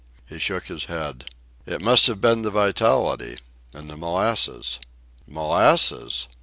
He shook his head. "It must have been the vitality ... and the molasses." "Molasses!"